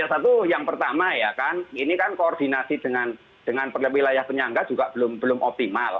ya satu yang pertama ya kan ini kan koordinasi dengan wilayah penyangga juga belum optimal